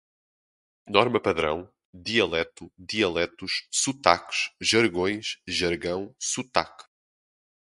norma-padrão, dialeto, dialetos, sotaques, jargões, jargão, sotaque